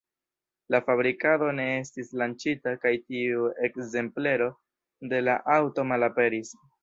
La fabrikado ne estis lanĉita kaj tiu ekzemplero de la aŭto malaperis.